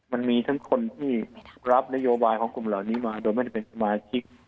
มันมีทั้งคนที่รับนโยบายของกลุ่มเหล่านี้มาโดยไม่ได้เป็นสมาชิก